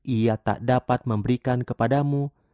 ia tak dapat memberikan kepadamu